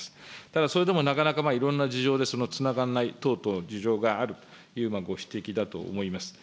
ただ、それでもなかなかいろんな事情でそのつながらない等々の事情があるというご指摘だと思います。